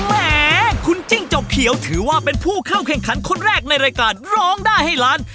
แหมคุณจิ้งจกเขียวถือว่าเป็นผู้เข้าแข่งขันคนแรกในรายการร้องได้ให้ล้าน